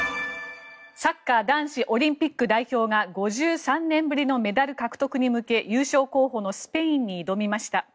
サッカー男子オリンピック代表が５３年ぶりのメダル獲得に向け優勝候補のスペインに挑みました。